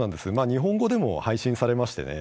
日本語でも配信されましてね